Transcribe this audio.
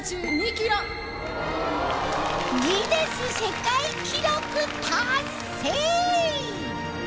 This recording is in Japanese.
ギネス世界記録達成！